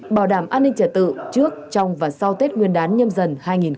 bảo đảm an ninh trả tự trước trong và sau tết nguyên đán nhâm dần hai nghìn hai mươi bốn